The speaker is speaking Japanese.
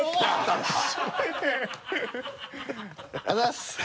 よし ありがとうございます。